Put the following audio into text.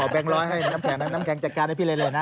ผมเอาแบงค์ร้อยให้น้ำแข็งน้ำแข็งจัดการให้พี่เร็วนะ